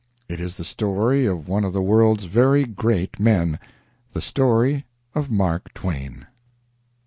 It is the story of one of the world's very great men the story of Mark Twain.